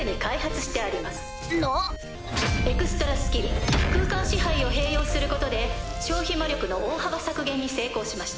エクストラスキル空間支配を併用することで消費魔力の大幅削減に成功しました。